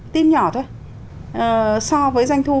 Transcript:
phim nhỏ thôi so với danh thu